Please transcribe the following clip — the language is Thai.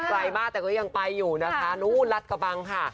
ไกลมากแต่ก็ยังไปอยู่นะคะนู้นรัฐกระบังค่ะ